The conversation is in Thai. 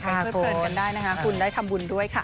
ช่วยเพลินกันได้นะคะคุณได้ทำบุญด้วยค่ะ